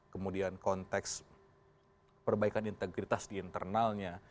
kemudian konteks perbaikan integritas di internalnya